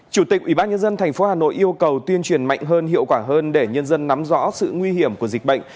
chủ tịch ubnd tp hà nội yêu cầu tuyên truyền mạnh hơn hiệu quả hơn để nhân dân nắm rõ sự nguy hiểm của dịch bệnh